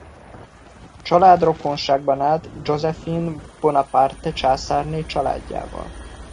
A család rokonságban állt Joséphine Bonaparte császárné családjával.